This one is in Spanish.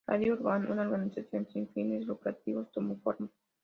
Radio Urban, una organización sin fines lucrativos, tomo forma.